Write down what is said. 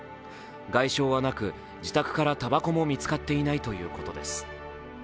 外傷はなく、自宅からたばこも見つかっていないということです。